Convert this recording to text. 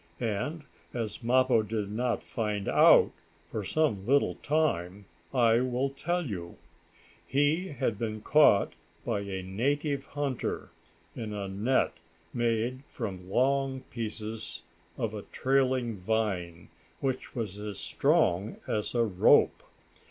And, as Mappo did not find out for some little time I will tell you. He had been caught by a native hunter, in a net made from long pieces of a trailing vine, which was as strong as a rope.